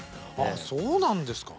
ああそうなんですか。